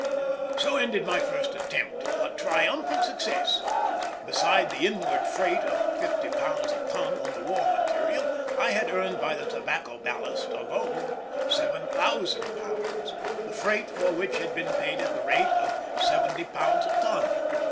So ended my first attempt, a triumphant success! Besides the inward freight of £50 a ton on the war material, I had earned by the tobacco ballast alone £7000, the freight for which had been paid at the rate of £70 a ton.